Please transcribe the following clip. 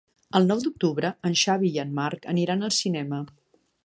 El nou d'octubre en Xavi i en Marc aniran al cinema.